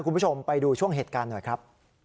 คุณผู้ชมไปดูช่วงเหตุการณ์หน่อยครับ